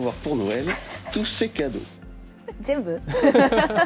全部？